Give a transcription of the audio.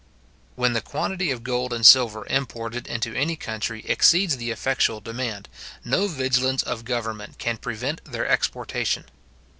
When the quantity of gold and silver imported into any country exceeds the effectual demand, no vigilance of government can prevent their exportation.